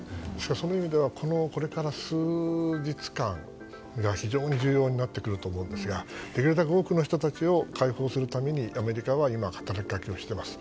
そういう意味ではこれから数日間が非常に重要になってくると思うんですができるだけ多くの人たちを解放するためにアメリカは今、働きかけをしています。